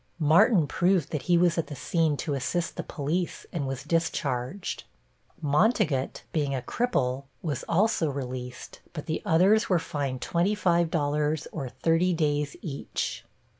Martin proved that he was at the scene to assist the police and was discharged. Montegut, being a cripple, was also released, but the others were fined $25 or thirty days each.